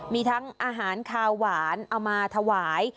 มีทั้งอาหารคาวหวานเอามาถวาย